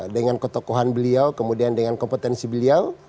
dengan ketokohan beliau kemudian dengan kompetensi beliau